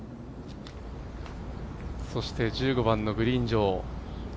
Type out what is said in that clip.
そして１５番のグリーン上。